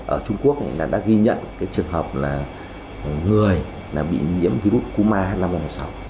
ở trung quốc đã ghi nhận trường hợp là người bị nhiễm virus cúm ah năm n sáu